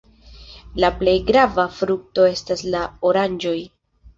La plej grava frukto estas la oranĝoj.